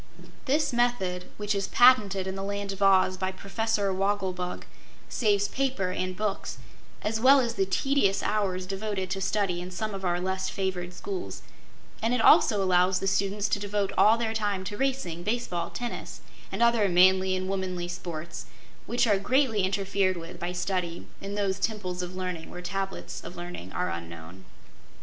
This method, which is patented in the Land of Oz by Professor Wogglebug, saves paper and books, as well as the tedious hours devoted to study in some of our less favored schools, and it also allows the students to devote all their time to racing, base ball, tennis and other manly and womanly sports, which are greatly interfered with by study in those Temples of Learning where Tablets of Learning are unknown.